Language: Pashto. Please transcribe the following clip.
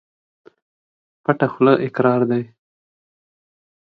پټه خوله اقرار دى.